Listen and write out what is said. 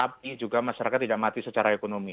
tapi juga masyarakat tidak mati secara ekonomi